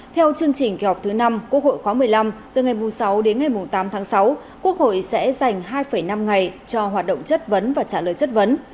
theo chương trình kỳ họp thứ năm quốc hội khóa một mươi năm từ ngày sáu đến ngày tám tháng sáu quốc hội sẽ dành hai năm ngày cho hoạt động chất vấn và trả lời chất vấn